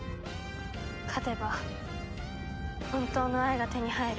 勝てば本当の愛が手に入る。